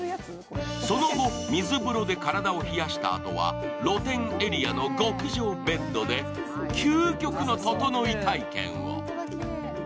その後、水風呂で体を冷やしたあとは露天エリアの極上ベッドで究極のととのい体験を。